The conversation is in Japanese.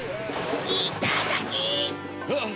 いただき！